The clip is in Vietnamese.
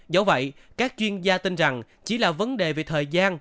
dẫu vậy các chuyên gia tin rằng chỉ là vấn đề về thời gian